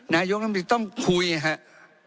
นายกรัฐมนตรีต้องคุยครับ